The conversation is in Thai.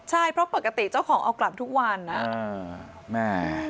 ใช่เพราะปกติเจ้าของเอากลับทุกวันอ่ะแม่